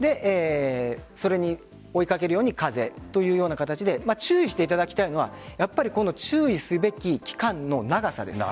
それに追いかけるように風、という形で注意していただきたいのは注意すべき期間の長さです。